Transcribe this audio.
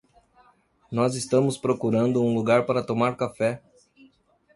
Nós estamos procurando um lugar para tomar café